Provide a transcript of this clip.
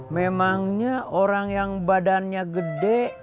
memangnya orang yang badannya gede